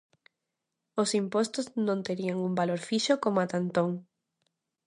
Os impostos non terían un valor fixo, como ata entón.